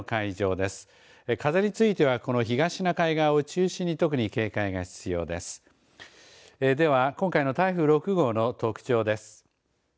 では今回の台風６号の特徴です。